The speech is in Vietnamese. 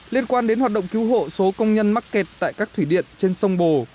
liên quan đến hoạt động cứu hộ số công nhân mắc kẹt tại các thủy điện trên sông bồ